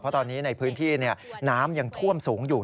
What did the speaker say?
เพราะตอนนี้ในพื้นที่น้ำยังท่วมสูงอยู่